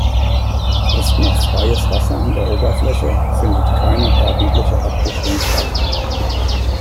Ist noch freies Wasser an der Oberfläche, findet keine ordentliche Abdichtung statt.